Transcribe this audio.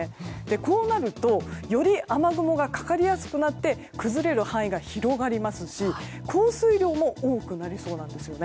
こうなるとより雨雲がかかりやすくなって崩れる範囲が広がりますし降水量も多くなりそうなんです。